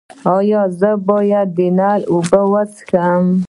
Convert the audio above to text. ایا زه باید د نل اوبه وڅښم؟